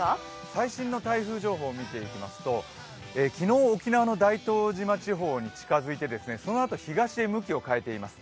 最新の台風情報を見ていきますと昨日、沖縄の大東島付近に近づいていましてそのあと東へ向きを変えています。